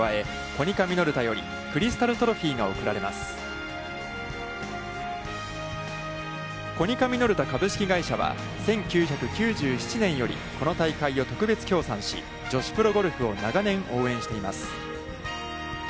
コニカミノルタ株式会社は１９９７年よりこの大会を特別協賛し女子プロゴルフを長年応援しています。